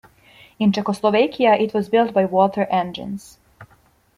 In Czechoslovakia it was built by Walter Engines.